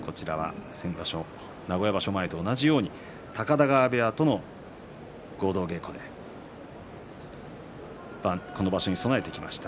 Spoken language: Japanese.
先場所と同じように高田川部屋との合同稽古でこの場所に備えてきました。